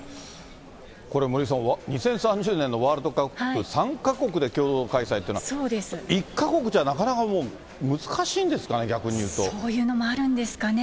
これ森さん、２０３０年のワールドカップ、３か国で共同開催ってのは、１か国じゃなかなかもう、難しいんですかね、そういうのもあるんですかね。